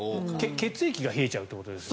血液が冷えちゃうということですね。